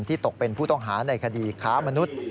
ตกเป็นผู้ต้องหาในคดีค้ามนุษย์